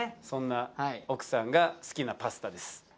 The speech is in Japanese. そんな奥さんが好きなパスタです・